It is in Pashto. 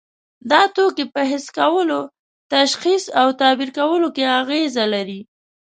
دا توکي په حس کولو، تشخیص او تعبیر کولو کې اغیزه لري.